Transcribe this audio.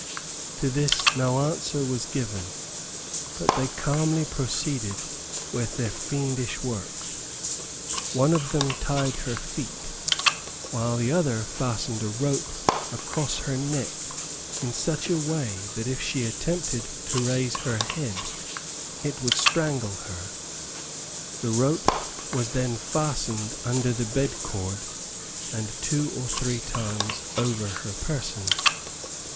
To this no answer was given, but they calmly proceeded with their fiendish work. One of them tied her feet, while the other fastened a rope across her neck in such a way that if she attempted to raise her head it would strangle her. The rope was then fastened under the bedcord, and two or three times over her person.